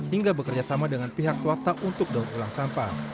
hingga bekerja sama dengan pihak swasta untuk daun pulang sampah